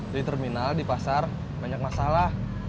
di terminal di pasar banyak masalah